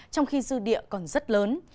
trong khi dư địa còn rất lớn